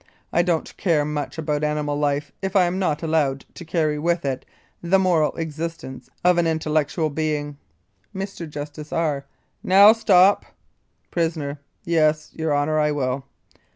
I don't much care about animal life if I am not allowed to carry with it the moral existence of an intellectual being." Mr. JUSTICE R. : Now stop. PRISONER: Yes, your Honour, I will.